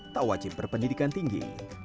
tak wajib berpendidikan tinggi